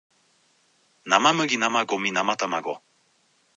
生麦生ゴミ生卵